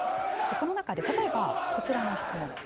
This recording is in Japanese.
この中で例えばこちらの質問。